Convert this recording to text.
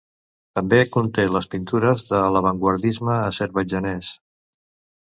També conté les pintures de l'avantguardisme azerbaidjanès.